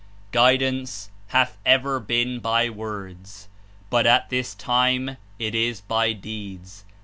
"Guidance hath ever been by zvords, but at this time it is by deeds.